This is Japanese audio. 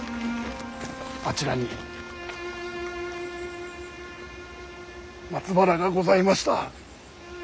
あちらに松原がございました。